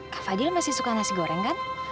kak fadil masih suka nasi goreng kan